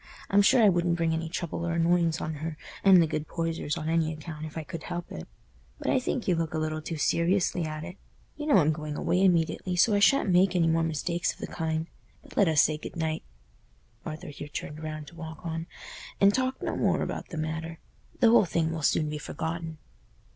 I'm sure I wouldn't bring any trouble or annoyance on her and the good Poysers on any account if I could help it. But I think you look a little too seriously at it. You know I'm going away immediately, so I shan't make any more mistakes of the kind. But let us say good night"—Arthur here turned round to walk on—"and talk no more about the matter. The whole thing will soon be forgotten."